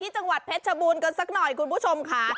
จังหวัดเพชรชบูรณ์กันสักหน่อยคุณผู้ชมค่ะ